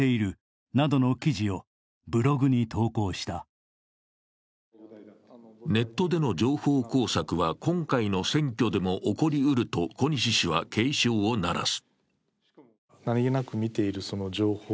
そこにはネットでの情報工作は今回の選挙でも起こりうると小西氏は警鐘を鳴らす。